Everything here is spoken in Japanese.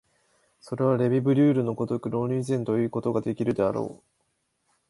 それはレヴィ・ブリュールの如く論理以前ということができるであろう。